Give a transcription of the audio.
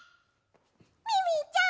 ミミィちゃん